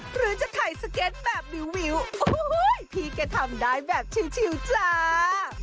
หรือจะถ่ายสเก็ตแบบวิวพี่แกทำได้แบบชิลจ้า